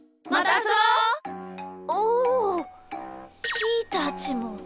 ひーたちも。